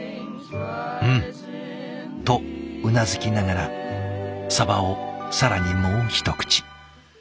「うん」とうなずきながらサバを更にもう一口。